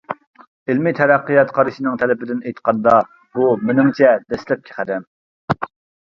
ئىلمىي تەرەققىيات قارىشىنىڭ تەلىپىدىن ئېيتقاندا بۇ، مېنىڭچە، دەسلەپكى قەدەم.